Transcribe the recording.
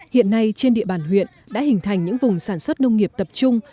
hiện nay trên địa bàn huyện đã hình thành những vùng sản xuất nông nghiệp tập trung